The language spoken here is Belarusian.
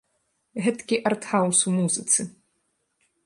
Гэткі арт-хаўз у музыцы.